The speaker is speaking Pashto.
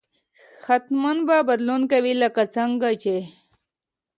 حتما به بدلون کوي لکه څنګه چې